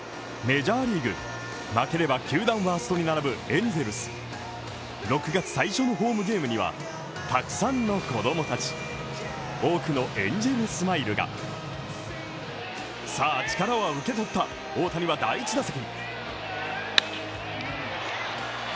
メジャーリーグ負ければ球団ワーストに並ぶエンゼルス６月最初のホームゲームにはたくさんの子供たち多くのエンジェルスマイルがさあ、力は受け取った大谷第１打席。